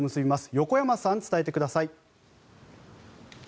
横山さん、伝えてください。